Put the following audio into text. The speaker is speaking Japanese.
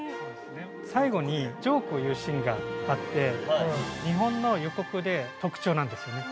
◆最後にジョークを言うシーンがあって、日本の予告で、特徴なんですよね。